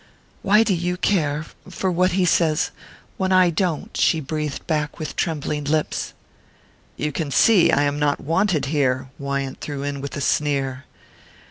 "Why do you care...for what he says...when I don't?" she breathed back with trembling lips. "You can see I am not wanted here," Wyant threw in with a sneer.